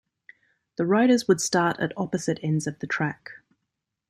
The riders would start at opposite ends of the track.